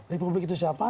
republik itu siapa